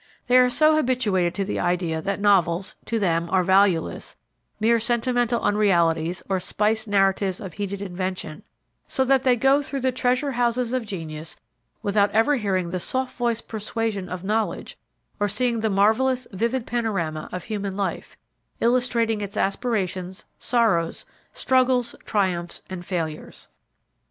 They are so habituated to the idea that novels, to them, are valueless mere sentimental unrealities or spiced narratives of heated invention so that they go through the treasure houses of genius without ever hearing the soft voiced persuasion of knowledge or seeing the marvelous, vivid panorama of human life, illustrating its aspirations, sorrows, struggles, triumphs and failures.